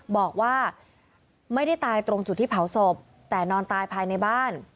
บอกว่าไม่ได้ตายตรงจุดที่เผาศพแต่นอนตายภายในบ้าน